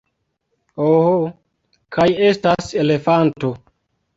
Oh kaj estas elefanto